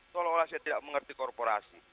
seolah olah saya tidak mengerti korporasi